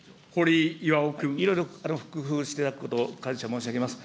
いろいろ工夫していただくことを、感謝申し上げます。